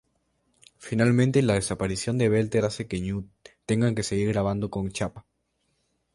Finalmente la desaparición de Belter hace que Ñu tengan que seguir grabando con Chapa.